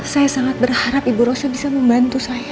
saya sangat berharap ibu rosy bisa membantu saya